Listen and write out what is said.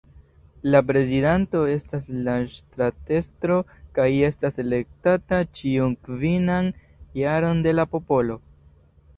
La prezidanto estas la ŝtatestro kaj estas elektata ĉiun kvinan jaron de la popolo.